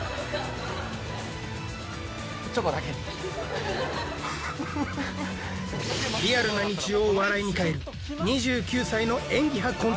チョコだけにリアルな日常を笑いに変える２９歳の演技派コント職人